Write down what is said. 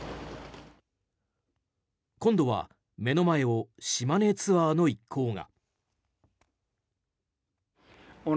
今度は目の前を島根ツアーの一行が。